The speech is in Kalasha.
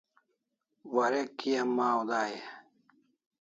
Warek kia maw dai e?